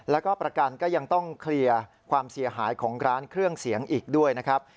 แล้วก็ประกันก็ยังต้องเคลียร์ความเสียหายของร้านเครื่องเสียงอีกด้วยนะครับ